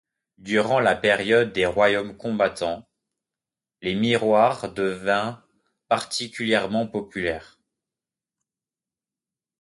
Durant la période des Royaumes combattants, les miroirs deviennent particulièrement populaires.